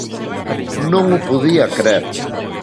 Non mo podía crer